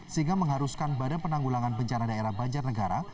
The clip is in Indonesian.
sehingga mengharuskan badan penanggulangan bencana daerah banjarnegara